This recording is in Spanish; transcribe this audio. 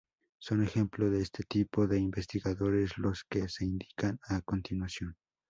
Son ejemplo de este tipo de investigadores los que se indican a continuación.